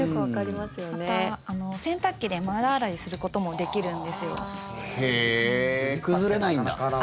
また、洗濯機で丸洗いすることもできるんです。